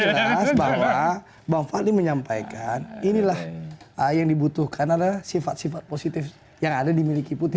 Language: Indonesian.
tapi yang jelas bang fadli menyampaikan inilah yang dibutuhkan adalah sifat sifat positif yang ada di miliki putin